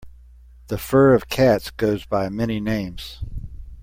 The fur of cats goes by many names.